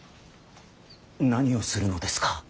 何をするのですか。